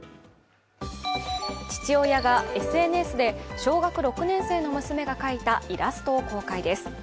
父親がＳＮＳで小学６年生の娘が描いたイラストを公開です。